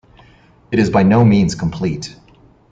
It is by no means complete.